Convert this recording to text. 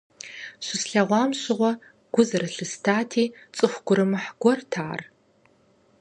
Щыслъэгъуам щыгъуэ гу зэрылъыстати, цӀыху гурымыкъ гуэрт ар.